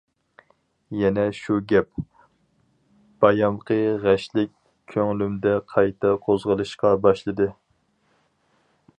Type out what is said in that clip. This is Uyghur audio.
يەنە شۇ گەپ، بايامقى غەشلىك كۆڭلۈمدە قايتا قوزغىلىشقا باشلىدى.